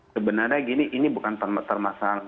sebenarnya gini ini bukan permasalahan